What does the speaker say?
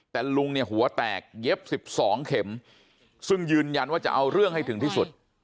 แต่ลุงเนี่ยหัวแตกเย็บ๑๒เข็มซึ่งยืนยันว่าจะเอาเรื่องให้ถึงที่สุด